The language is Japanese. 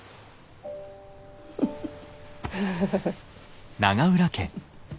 フフフフ。